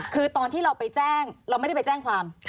คือตอนที่เราไปแจ้งเราไม่ได้ไปแจ้งความ